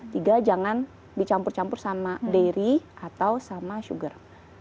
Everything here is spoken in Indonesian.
tiga jangan dicampur campur sama dairy atau sama sugar